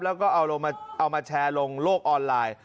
แล้วก็เอามาแชร์ลงโลกออนไลน์